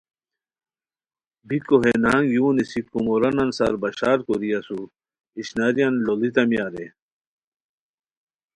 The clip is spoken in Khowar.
بیکو ہے نہنگ یو نیسی کومورانان سار بشار کوری اسور ہے اشناریان لوڑیتامیا رے!